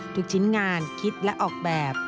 ทุกชิ้นงานคิดและออกแบบ